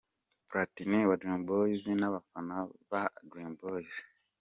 Platini wa Dream Boys n’abafana ba Dream Boys.